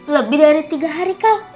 lebih dari tiga hari kah